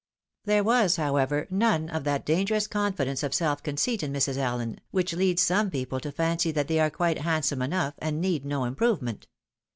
There was, however, none of that dangerous confidence of self conceit in Mrs. Allen, which leads some people to fancy that they are quite handsome enough, and need no improvement.